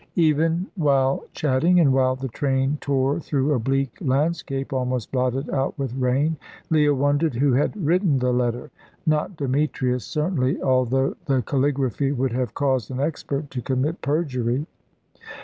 Even while chatting, and while the train tore through a bleak landscape almost blotted out with rain, Leah wondered who had written the letter. Not Demetrius, certainly, although the calligraphy would have caused an expert to commit perjury.